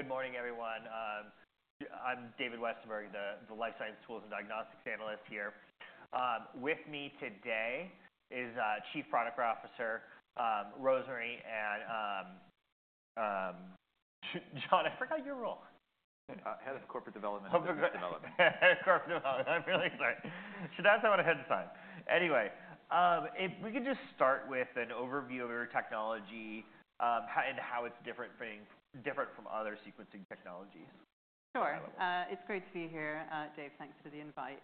Good morning, everyone. I'm David Westenberg, the life science tools and diagnostics analyst here. With me today is Chief Product Officer Rosemary, and John. I forgot your role. Head of Corporate Development. Corporate development. I'm really sorry. Should've asked that one ahead of time. Anyway, if we could just start with an overview of your technology, and how it's different from other sequencing technologies. Sure. It's great to be here. Dave, thanks for the invite.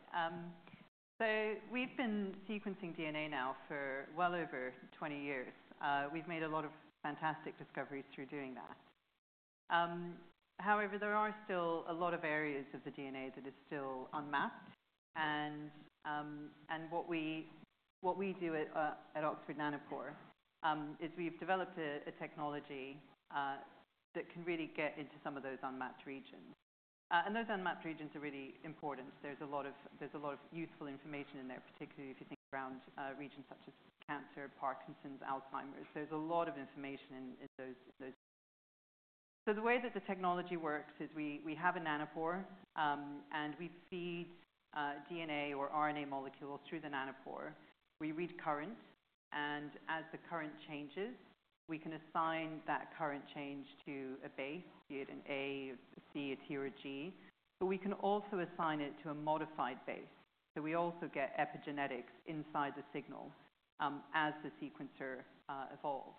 We've been sequencing DNA now for well over 20 years. We've made a lot of fantastic discoveries through doing that. However, there are still a lot of areas of the DNA that are still unmapped. And what we do at Oxford Nanopore is we've developed a technology that can really get into some of those unmapped regions. And those unmapped regions are really important. There's a lot of useful information in there, particularly if you think around regions such as cancer, Parkinson's, Alzheimer's. There's a lot of information in those. So the way that the technology works is we have a nanopore, and we feed DNA or RNA molecules through the nanopore. We read current, and as the current changes, we can assign that current change to a base, be it an A, a C, a T, or a G. But we can also assign it to a modified base. So we also get epigenetics inside the signal, as the sequencer evolves.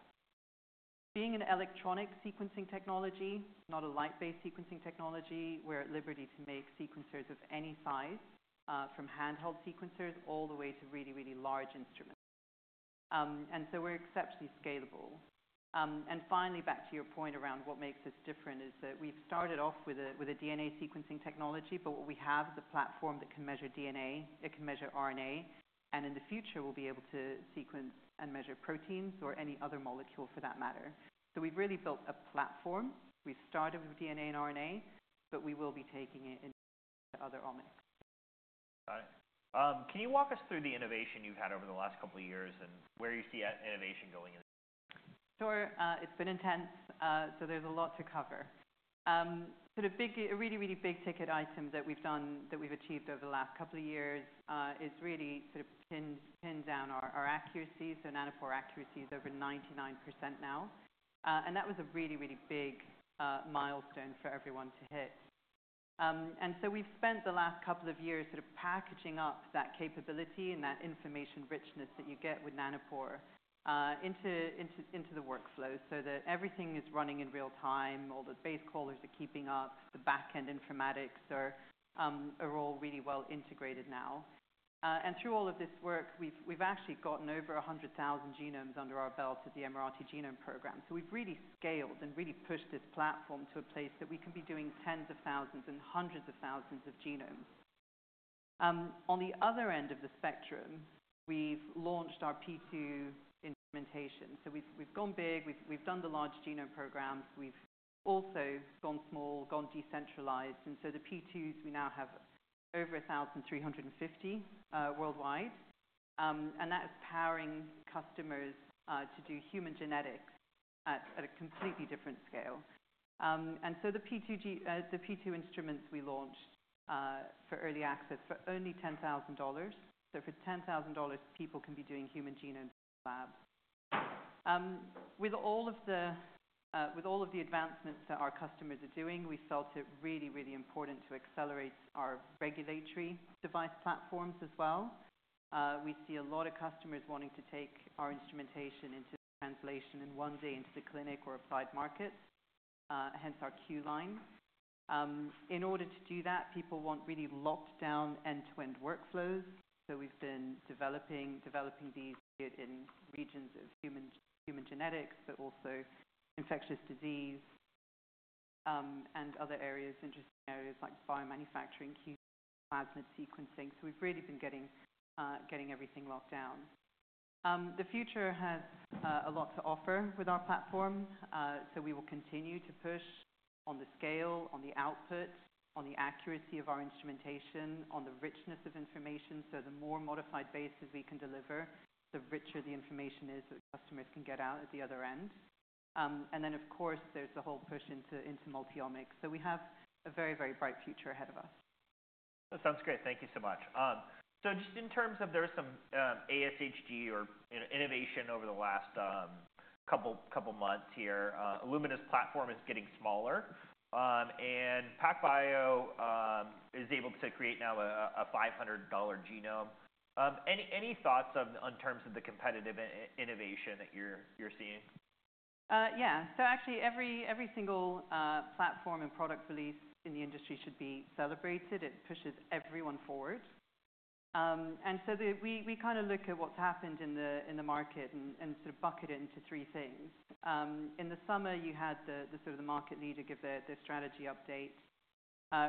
Being an electronic sequencing technology, not a light-based sequencing technology, we're at liberty to make sequencers of any size, from handheld sequencers all the way to really, really large instruments. And so we're exceptionally scalable. And finally, back to your point around what makes us different is that we've started off with a with a DNA sequencing technology, but what we have is a platform that can measure DNA. It can measure RNA. And in the future, we'll be able to sequence and measure proteins or any other molecule for that matter. So we've really built a platform. We've started with DNA and RNA, but we will be taking it into other omics. Got it. Can you walk us through the innovation you've had over the last couple of years and where you see innovation going in? Sure. It's been intense, so there's a lot to cover, sort of big, really, really big-ticket item that we've done that we've achieved over the last couple of years is really sort of pinned down our accuracy. Nanopore accuracy is over 99% now, and that was a really, really big milestone for everyone to hit, and so we've spent the last couple of years sort of packaging up that capability and that information richness that you get with Nanopore into the workflow so that everything is running in real time. All the base callers are keeping up. The back-end informatics are all really well integrated now, and through all of this work, we've actually gotten over 100,000 genomes under our belt at the Emirati Genome Program. So we've really scaled and really pushed this platform to a place that we can be doing tens of thousands and hundreds of thousands of genomes. On the other end of the spectrum, we've launched our P2 implementation. So we've gone big. We've done the large genome programs. We've also gone small, gone decentralized. And so the P2s, we now have over 1,350 worldwide. And that is powering customers to do human genetics at a completely different scale. And so the P2 instruments we launched for early access for only $10,000. So for $10,000, people can be doing human genome labs. With all of the advancements that our customers are doing, we felt it really important to accelerate our regulatory device platforms as well. We see a lot of customers wanting to take our instrumentation into translation and one day into the clinic or applied markets, hence our Q-Line. In order to do that, people want really locked-down end-to-end workflows. We've been developing these in regions of human genetics, but also infectious disease, and other areas, interesting areas like biomanufacturing, plasmid sequencing. We've really been getting everything locked down. The future has a lot to offer with our platform. We will continue to push on the scale, on the output, on the accuracy of our instrumentation, on the richness of information. The more modified bases we can deliver, the richer the information is that customers can get out at the other end. Then, of course, there's the whole push into multi-omics. We have a very, very bright future ahead of us. That sounds great. Thank you so much. So just in terms of there's some ASHG or, you know, innovation over the last couple months here. Illumina's platform is getting smaller, and PacBio is able to create now a $500 genome. Any thoughts on terms of the competitive innovation that you're seeing? So actually, every single platform and product release in the industry should be celebrated. It pushes everyone forward, and so we kinda look at what's happened in the market and sort of bucket it into three things. In the summer, you had the sort of market leader give their strategy update,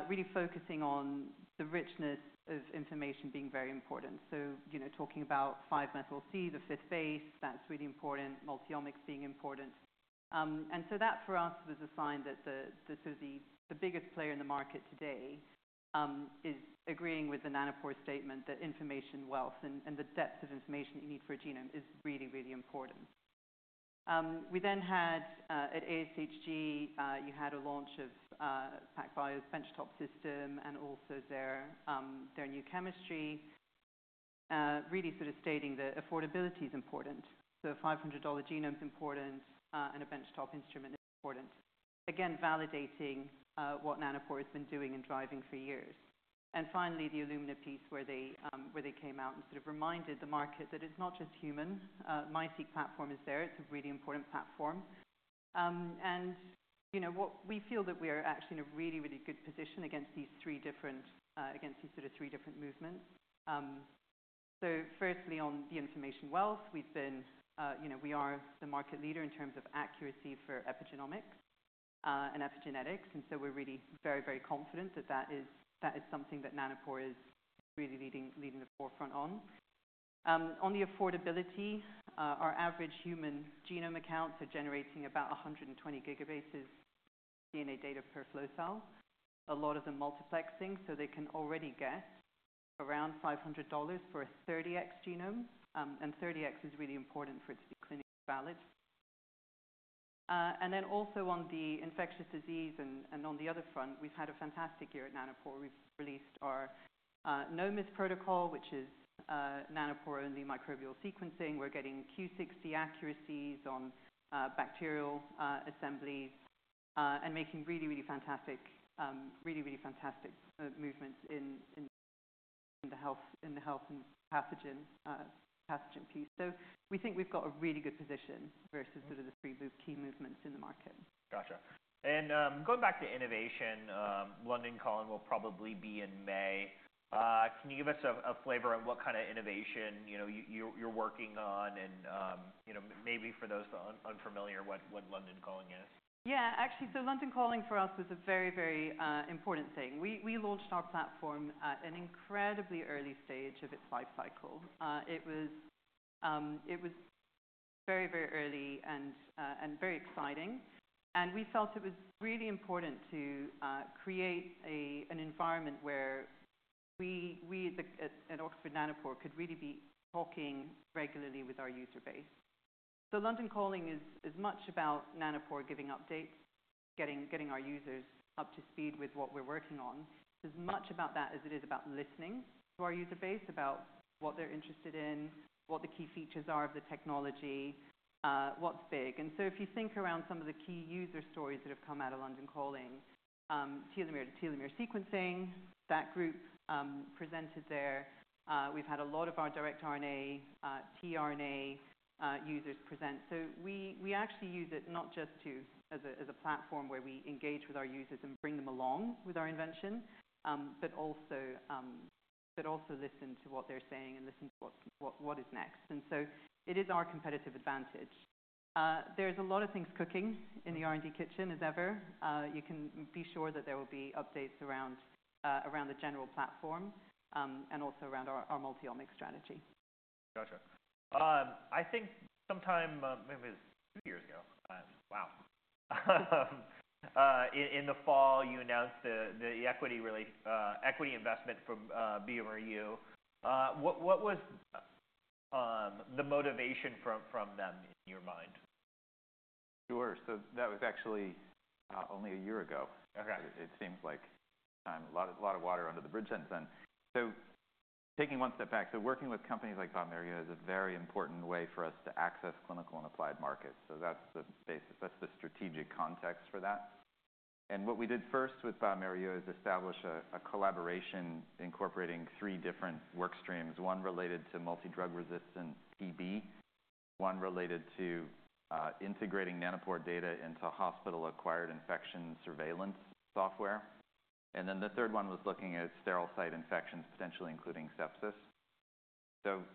really focusing on the richness of information being very important, so you know, talking about five methyl C, the fifth base, that's really important. Multi-omics being important, and so that for us was a sign that the biggest player in the market today is agreeing with the Nanopore statement that information wealth and the depth of information that you need for a genome is really, really important. We then had, at ASHG, you had a launch of PacBio's benchtop system and also their new chemistry, really sort of stating that affordability is important. So a $500 genome's important, and a benchtop instrument is important. Again, validating what Nanopore has been doing and driving for years. And finally, the Illumina piece where they came out and sort of reminded the market that it's not just human. MiSeq platform is there. It's a really important platform. And you know, what we feel that we are actually in a really, really good position against these three different, against these sort of three different movements. So firstly, on the information wealth, we've been, you know, we are the market leader in terms of accuracy for epigenomics, and epigenetics. We’re really very, very confident that that is something that Nanopore is really leading the forefront on, on the affordability. Our average human genome accounts are generating about 120 GB of DNA data per flow cell, a lot of them multiplexing. So they can already get around $500 for a 30x genome. And 30x is really important for it to be clinically valid. And then also on the infectious disease and on the other front, we’ve had a fantastic year at Nanopore. We’ve released our NOMIS protocol, which is Nanopore-only microbial sequencing. We’re getting Q60 accuracies on bacterial assemblies, and making really fantastic movements in the health and pathogen piece. So we think we’ve got a really good position versus sort of the three key movements in the market. Gotcha. And, going back to innovation, London Calling will probably be in May. Can you give us a flavor on what kinda innovation, you know, you're working on and, you know, maybe for those unfamiliar what London Calling is? Yeah. Actually, so London Calling for us was a very, very important thing. We launched our platform at an incredibly early stage of its life cycle. It was very, very early and very exciting. And we felt it was really important to create an environment where we at Oxford Nanopore could really be talking regularly with our user base. So London Calling is much about Nanopore giving updates, getting our users up to speed with what we're working on. It's as much about that as it is about listening to our user base about what they're interested in, what the key features are of the technology, what's big. And so if you think around some of the key user stories that have come out of London Calling, telomere-to-telomere sequencing, that group presented there. We've had a lot of our direct RNA, tRNA, users present. So we actually use it not just as a platform where we engage with our users and bring them along with our invention, but also listen to what they're saying and listen to what is next, and so it is our competitive advantage. There's a lot of things cooking in the R&D kitchen as ever. You can be sure that there will be updates around the general platform, and also around our multi-omic strategy. Gotcha. I think sometime, maybe it was two years ago. Wow. In the fall, you announced the equity-related equity investment from bioMérieux. What was the motivation from them in your mind? Sure. So that was actually only a year ago. Okay. It seems like time. A lot of water under the bridge since then. Taking one step back, working with companies like bioMérieux is a very important way for us to access clinical and applied markets. That's the basis, that's the strategic context for that. What we did first with bioMérieux is establish a collaboration incorporating three different work streams. One related to multi-drug resistant TB, one related to integrating Nanopore data into hospital-acquired infection surveillance software. The third one was looking at sterile site infections, potentially including sepsis.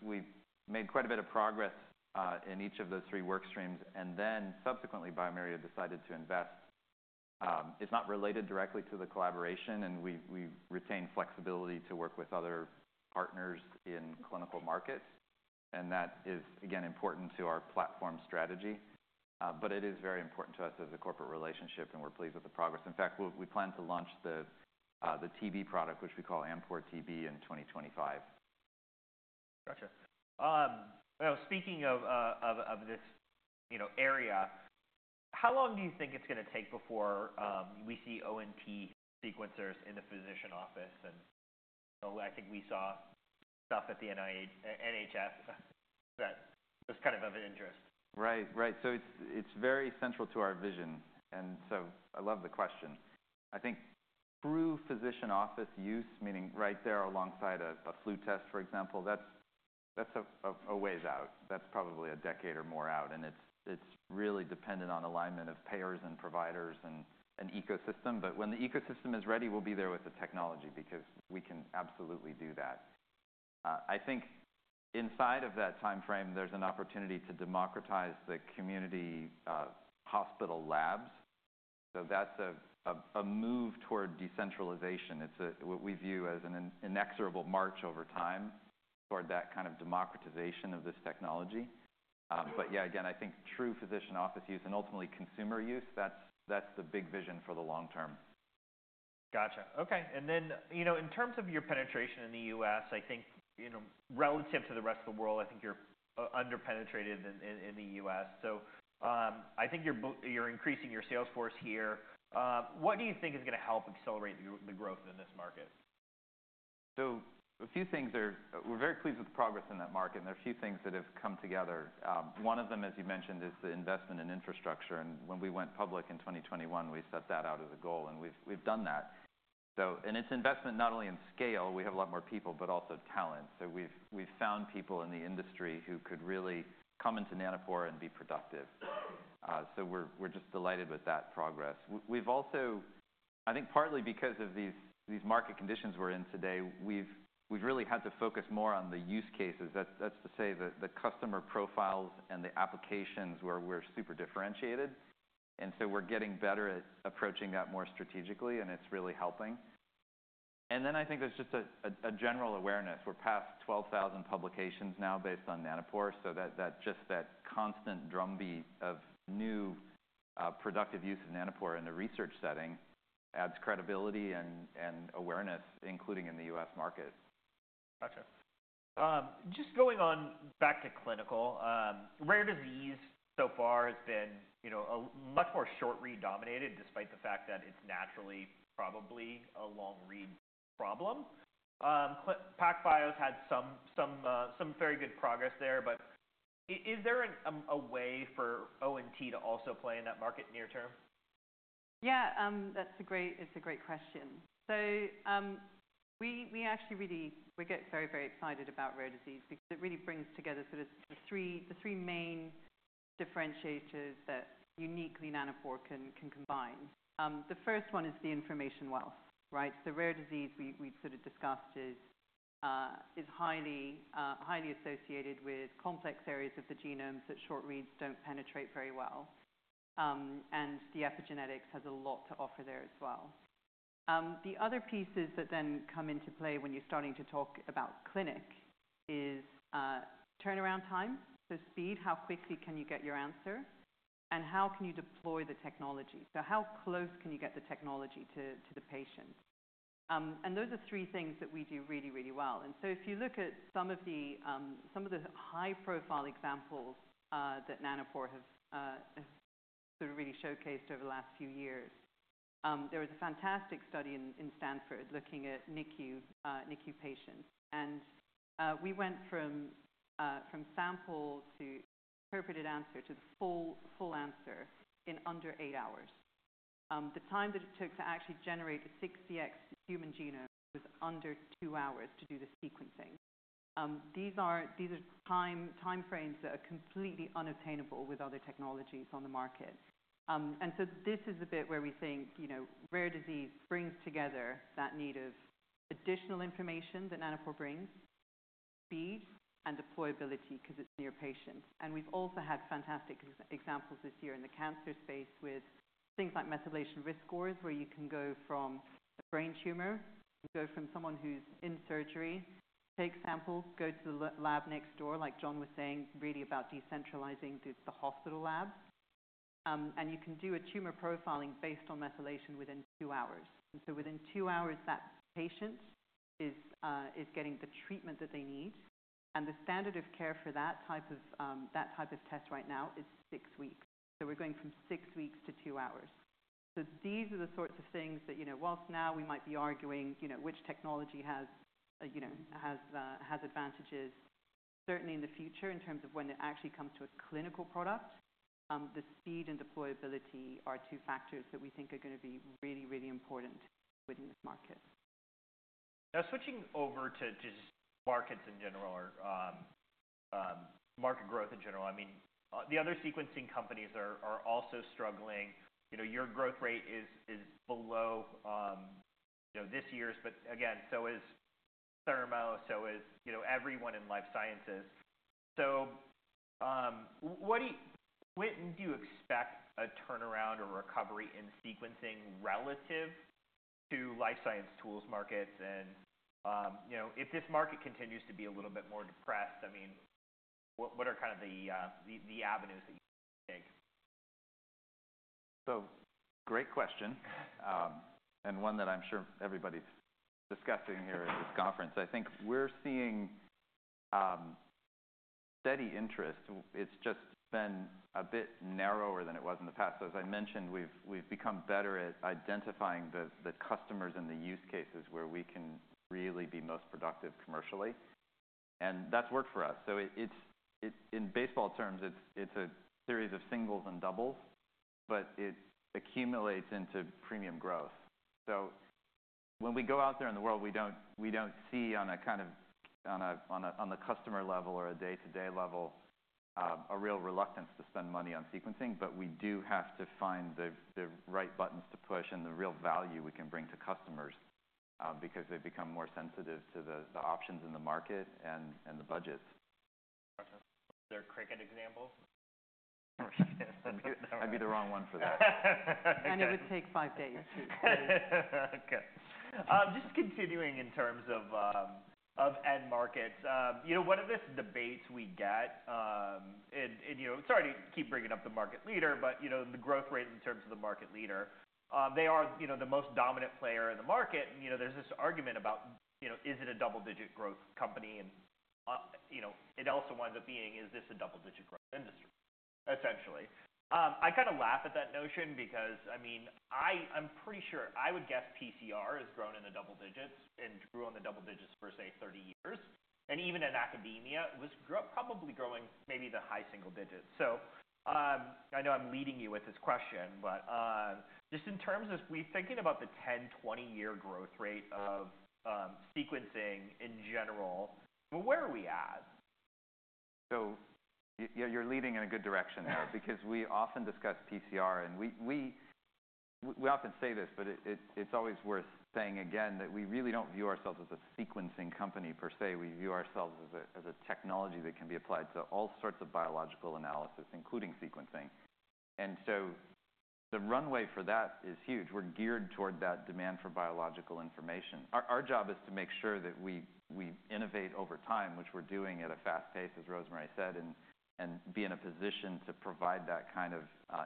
We made quite a bit of progress in each of those three work streams. Then subsequently, bioMérieux decided to invest. It's not related directly to the collaboration, and we retained flexibility to work with other partners in clinical markets. That is, again, important to our platform strategy. but it is very important to us as a corporate relationship, and we're pleased with the progress. In fact, we plan to launch the TB product, which we call AmPORE TB in 2025. Gotcha. You know, speaking of this, you know, area, how long do you think it's gonna take before we see ONT sequencers in the physician office? And, you know, I think we saw stuff at the NIH, NHS that was kind of interest. Right. Right. So it's very central to our vision. And so I love the question. I think true physician office use, meaning right there alongside a flu test, for example, that's a ways out. That's probably a decade or more out. And it's really dependent on alignment of payers and providers and ecosystem. But when the ecosystem is ready, we'll be there with the technology because we can absolutely do that. I think inside of that timeframe, there's an opportunity to democratize the community hospital labs. So that's a move toward decentralization. It's what we view as an inexorable march over time toward that kind of democratization of this technology. But yeah, again, I think true physician office use and ultimately consumer use, that's the big vision for the long term. Gotcha. Okay. And then, you know, in terms of your penetration in the U.S., I think, you know, relative to the rest of the world, I think you're underpenetrated in the U.S. So, I think but you're increasing your sales force here. What do you think is gonna help accelerate the growth in this market? So a few things are. We're very pleased with the progress in that market. And there are a few things that have come together. One of them, as you mentioned, is the investment in infrastructure. And when we went public in 2021, we set that out as a goal. And we've done that. So and it's investment not only in scale, we have a lot more people, but also talent. So we've found people in the industry who could really come into Nanopore and be productive. So we're just delighted with that progress. We've also, I think partly because of these market conditions we're in today, we've really had to focus more on the use cases. That's to say the customer profiles and the applications where we're super differentiated. And so we're getting better at approaching that more strategically, and it's really helping. I think there's just a general awareness. We're past 12,000 publications now based on Nanopore. So that constant drumbeat of new, productive use of Nanopore in the research setting adds credibility and awareness, including in the U.S. market. Gotcha. Just going back to clinical rare disease, so far has been, you know, a much more short-read-dominated despite the fact that it's naturally probably a long-read problem. PacBio's had some very good progress there. But is there a way for ONT to also play in that market near term? Yeah. That's a great, it's a great question. So, we actually really get very, very excited about rare disease because it really brings together sort of the three main differentiators that uniquely Nanopore can combine. The first one is the information wealth, right? So rare disease we sort of discussed is highly associated with complex areas of the genome that short reads don't penetrate very well. The epigenetics has a lot to offer there as well. The other pieces that then come into play when you're starting to talk about clinic is turnaround time. So speed, how quickly can you get your answer, and how can you deploy the technology? So how close can you get the technology to the patient? Those are three things that we do really, really well. And so if you look at some of the high-profile examples that Nanopore have sort of really showcased over the last few years, there was a fantastic study in Stanford looking at NICU patients. And we went from sample to interpreted answer to the full answer in under eight hours. The time that it took to actually generate a 60x human genome was under two hours to do the sequencing. These are timeframes that are completely unattainable with other technologies on the market. And so this is the bit where we think, you know, rare disease brings together that need of additional information that Nanopore brings, speed, and deployability 'cause it's near patients. And we've also had fantastic examples this year in the cancer space with things like methylation risk scores, where you can go from a brain tumor, go from someone who's in surgery, take sample, go to the lab next door, like John was saying, really about decentralizing the hospital lab, and you can do a tumor profiling based on methylation within two hours. And so within two hours, that patient is getting the treatment that they need. And the standard of care for that type of test right now is six weeks. So we're going from six weeks to two hours. These are the sorts of things that, you know, while now we might be arguing, you know, which technology has, you know, advantages, certainly in the future in terms of when it actually comes to a clinical product, the speed and deployability are two factors that we think are gonna be really, really important within this market. Now switching over to just markets in general or market growth in general. I mean, the other sequencing companies are also struggling. You know, your growth rate is below, you know, this year's, but again, so is Thermo, so is, you know, everyone in life sciences. So, what do you, when do you expect a turnaround or recovery in sequencing relative to life science tools markets? And, you know, if this market continues to be a little bit more depressed, I mean, what are kind of the avenues that you think? So great question. And one that I'm sure everybody's discussing here at this conference. I think we're seeing steady interest. It's just been a bit narrower than it was in the past. So as I mentioned, we've become better at identifying the customers and the use cases where we can really be most productive commercially. And that's worked for us. So it's, in baseball terms, it's a series of singles and doubles, but it accumulates into premium growth. So when we go out there in the world, we don't see on a kind of customer level or a day-to-day level, a real reluctance to spend money on sequencing. But we do have to find the right buttons to push and the real value we can bring to customers, because they become more sensitive to the options in the market and the budgets. Gotcha. Is there a cricket example? That'd be the wrong one for that. It would take five days. Okay. Just continuing in terms of end markets, you know, one of these debates we get, and you know, sorry to keep bringing up the market leader, but you know, the growth rate in terms of the market leader, they are you know, the most dominant player in the market. And you know, there's this argument about you know, is it a double-digit growth company? And you know, it also winds up being, is this a double-digit growth industry, essentially? I kinda laugh at that notion because, I mean, I am pretty sure I would guess PCR has grown in the double digits and grew in the double digits for, say, 30 years. And even in academia, it was probably growing maybe the high single digits. I know I'm leading you with this question, but just in terms of we thinking about the 10-20-year growth rate of sequencing in general, where are we at? You're leading in a good direction there because we often discuss PCR. We often say this, but it's always worth saying again that we really don't view ourselves as a sequencing company per se. We view ourselves as a technology that can be applied to all sorts of biological analysis, including sequencing. The runway for that is huge. We're geared toward that demand for biological information. Our job is to make sure that we innovate over time, which we're doing at a fast pace, as Rosemary said, and be in a position to provide that kind of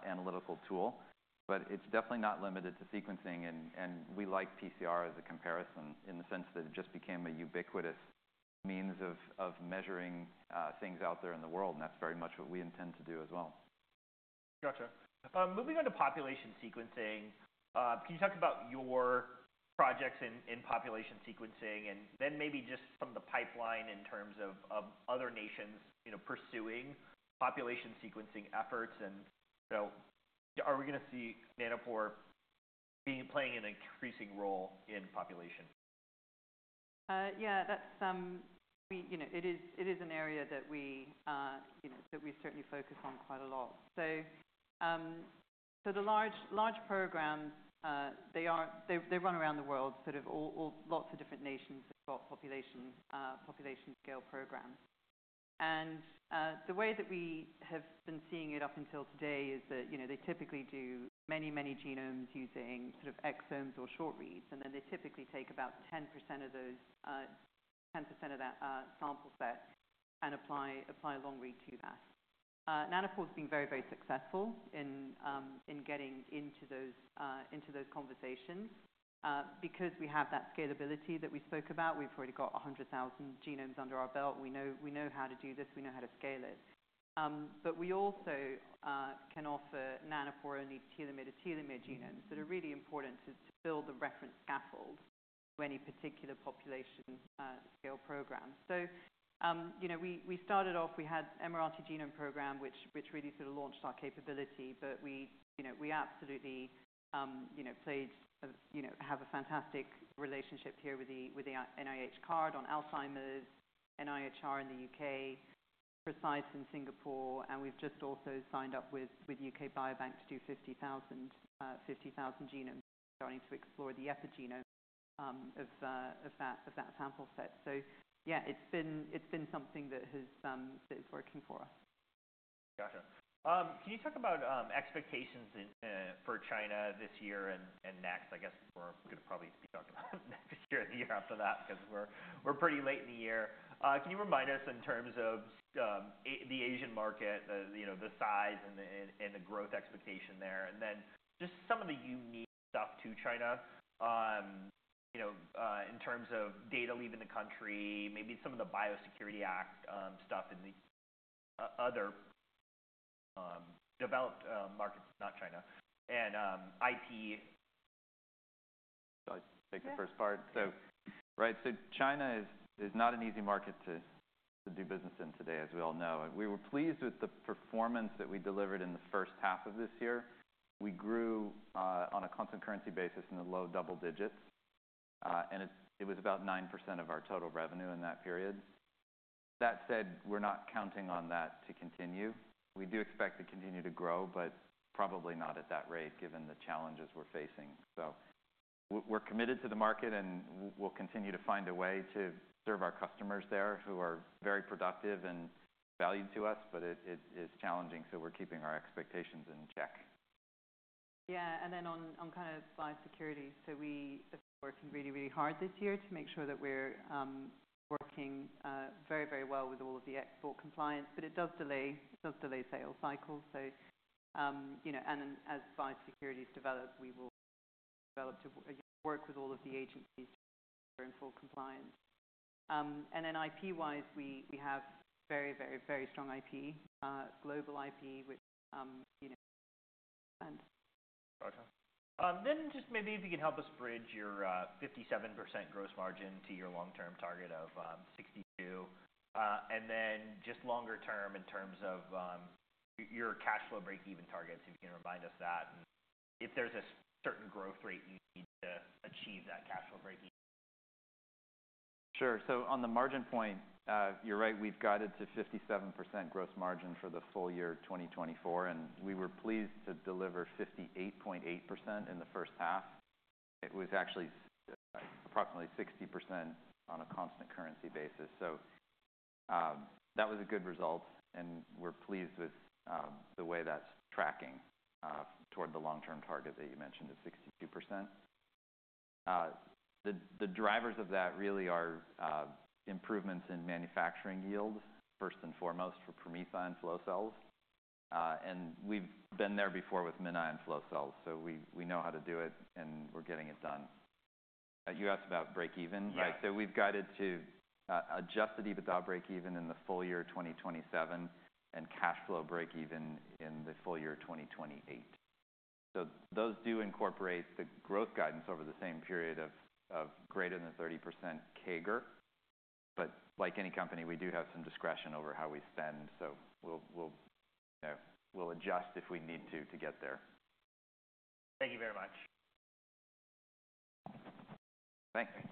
analytical tool. It's definitely not limited to sequencing. We like PCR as a comparison in the sense that it just became a ubiquitous means of measuring things out there in the world. That's very much what we intend to do as well. Gotcha. Moving on to population sequencing, can you talk about your projects in population sequencing and then maybe just from the pipeline in terms of other nations, you know, pursuing population sequencing efforts? And, you know, are we gonna see Nanopore be playing an increasing role in population? Yeah, that's, you know, it is an area that we, you know, that we certainly focus on quite a lot. So, the large programs, they run around the world, sort of all lots of different nations that've got population scale programs. And the way that we have been seeing it up until today is that, you know, they typically do many genomes using sort of exomes or short-reads. And then they typically take about 10% of those sample set and apply a long-read to that. Nanopore's been very successful in getting into those conversations, because we have that scalability that we spoke about. We've already got 100,000 genomes under our belt. We know how to do this. We know how to scale it. But we also can offer Nanopore-only telomere-to-telomere genomes that are really important to build the reference scaffold to any particular population scale program. So, you know, we started off, we had Emirati genome program, which really sort of launched our capability. But we, you know, we absolutely, you know, played a, you know, have a fantastic relationship here with the NIH CARD on Alzheimer's, NIHR in the UK, PRECISE in Singapore. And we've just also signed up with UK Biobank to do 50,000 genomes, starting to explore the epigenome of that sample set. So yeah, it's been something that is working for us. Gotcha. Can you talk about expectations for China this year and next? I guess we're gonna probably be talking about next year and the year after that because we're pretty late in the year. Can you remind us in terms of the Asian market, you know, the size and the growth expectation there? And then just some of the unique stuff to China, you know, in terms of data leaving the country, maybe some of the Biosecurity Act stuff in other developed markets, not China, and IP. I take the first part. China is not an easy market to do business in today, as we all know. We were pleased with the performance that we delivered in the first half of this year. We grew on a constant currency basis in the low double digits, and it was about 9% of our total revenue in that period. That said, we're not counting on that to continue. We do expect to continue to grow, but probably not at that rate given the challenges we're facing. We're committed to the market, and we'll continue to find a way to serve our customers there who are very productive and valued to us. But it is challenging, so we're keeping our expectations in check. Yeah. And then on kind of biosecurity, so we have been working really, really hard this year to make sure that we're working very, very well with all of the export compliance. But it does delay sales cycles. So, you know, and then as biosecurity's developed, we will develop to work with all of the agencies that are in full compliance. And then IP-wise, we have very, very, very strong IP, global IP, which, you know, and. Gotcha. Then just maybe if you can help us bridge your 57% gross margin to your long-term target of 62%. And then just longer term in terms of your cash flow break-even targets, if you can remind us that, and if there's a certain growth rate you need to achieve that cash flow break-even. Sure. So on the margin point, you're right. We've guided to 57% gross margin for the full year 2024, and we were pleased to deliver 58.8% in the first half. It was actually approximately 60% on a constant currency basis. So, that was a good result, and we're pleased with the way that's tracking toward the long-term target that you mentioned of 62%. The drivers of that really are improvements in manufacturing yields first and foremost for PromethION flow cells, and we've been there before with MinION flow cells. So we know how to do it, and we're getting it done. You asked about break-even. Yeah. Right. So we've guided to, adjusted EBITDA break-even in the full year 2027 and cash flow break-even in the full year 2028. So those do incorporate the growth guidance over the same period of, of greater than 30% CAGR. But like any company, we do have some discretion over how we spend. So we'll, we'll, you know, we'll adjust if we need to, to get there. Thank you very much. Thanks.